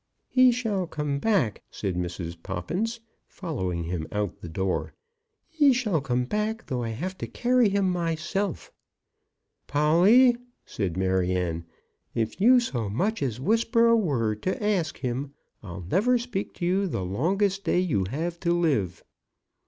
"He shall come back!" said Mrs. Poppins, following him out of the door. "He shall come back, though I have to carry him myself." "Polly," said Maryanne, "if you so much as whisper a word to ask him, I'll never speak to you the longest day you have to live."